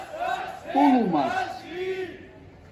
تھُوملس